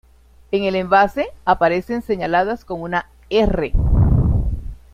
En el envase, aparecen señaladas con una "R".